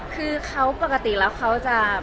คือเขาปกติแล้วเขาจะ